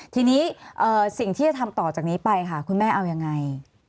ทีนี้สิ่งที่จะทำต่อจากนี้ไปค่ะคุณแม่เอายังไง